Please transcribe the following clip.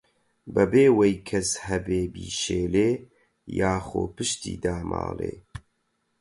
بەبێ وەی کەس هەبێ بیشێلێ، یاخۆ پشتی داماڵێ